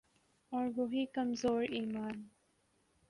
اور وہی کمزور ایمان۔